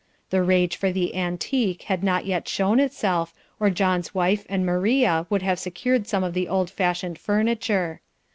The rage for the antique had not yet shown itself, or John's wife and Maria, would have secured some of the old fashioned furniture.